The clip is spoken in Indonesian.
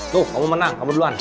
tuh kamu menang kamu duluan